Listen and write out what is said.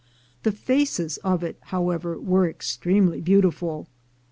The faces of it, however, were extremely beautiful.